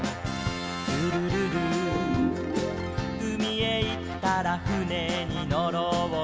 「ルルルル」「うみへいったらふねにのろうよ」